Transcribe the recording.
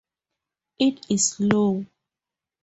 It is slow.